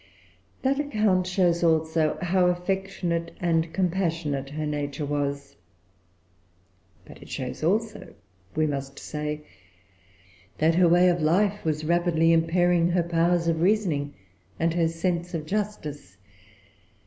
That account shows also how affectionate and compassionate her nature was. But it shows also, we must say, that her way of life was rapidly impairing her powers of reasoning and her sense of justice.